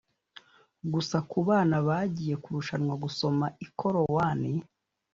Gusa ku bana bagiye kurushanwa gusoma ikorowani